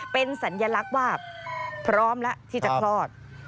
เป็นสัญลักษณ์ว่าพร้อมแล้วที่จะคลอด